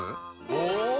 お！